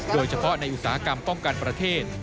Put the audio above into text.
โดยเฉพาะในอุตสาหกรรมป้องกันประเทศ